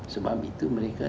sebab itu mereka